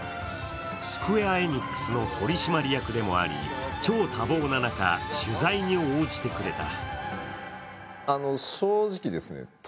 スクウェア・エニックスの取締役でもあり、超多忙な中、取材に応じてくれた。